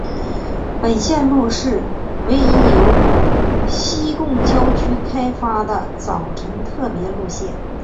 本路线是唯一由西贡郊区开出的早晨特别路线。